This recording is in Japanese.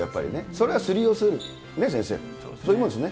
それはすり寄せる、ね、先生。